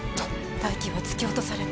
「泰生は突き落とされた。